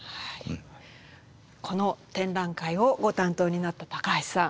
この展覧会をご担当になった高橋さん。